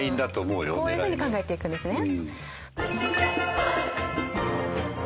こういうふうに考えていくんですね。